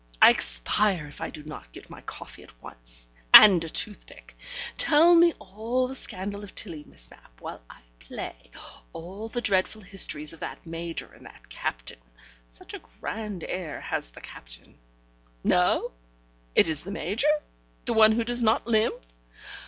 I expire if I do not get my coffee at once, and a toothpick. Tell me all the scandal of Tilling, Miss Mapp, while I play all the dreadful histories of that Major and that Captain. Such a grand air has the Captain no, it is the Major, the one who does not limp.